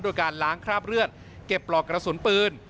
โดยการล้างคราบเลือดเก็บปลอกกระสุนปืน